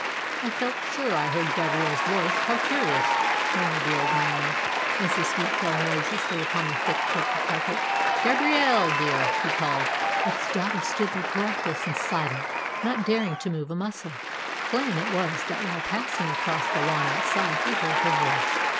"I felt sure I heard Gabrielle's voice. How curious!" murmured the old man, as his feet fell noiselessly upon the thick Turkey carpet. "Gabrielle, dear!" he called. But his daughter stood there breathless and silent, not daring to move a muscle. Plain it was that while passing across the lawn outside he heard her voice.